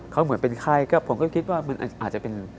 เขาเหมือนเป็นไข้ก็ผมก็คิดว่ามันอาจจะเป็น